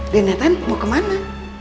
dina tante mau kemana